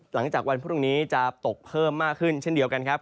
หลังจากวันพรุ่งนี้จะตกเพิ่มมากขึ้นเช่นเดียวกันครับ